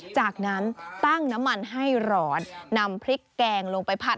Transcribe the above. จากนั้นตั้งน้ำมันให้ร้อนนำพริกแกงลงไปผัด